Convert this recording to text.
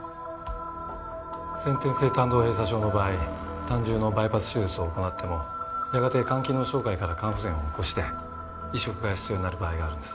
先天性胆道閉鎖症の場合胆汁のバイパス手術を行ってもやがて肝機能障害から肝不全を起こして移植が必要になる場合があるんです。